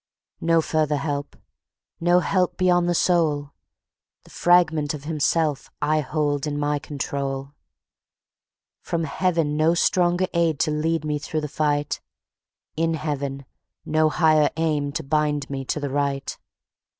No further help. No help beyond the soul, The fragment of Himself I hold in my control; From heaven, no stronger aid to lead me through the fight:In heaven, no higher aim to bind me to the Right.